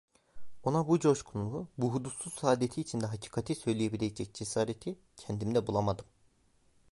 Ona bu coşkunluğu, bu hudutsuz saadeti içinde hakikati söyleyebilecek cesareti kendimde bulamadım.